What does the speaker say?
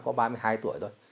có ba mươi hai tuổi thôi